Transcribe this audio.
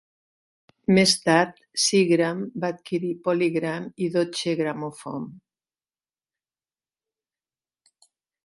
Més tard, Seagram va adquirir PolyGram i Deutsche Grammophon.